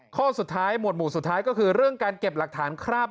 ข้อสุดท้ายหมวดหมู่สุดท้ายก็คือเรื่องการเก็บหลักฐานคราบ